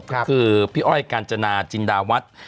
คือพี่อ้อยกาญจนาจินดาวัฒน์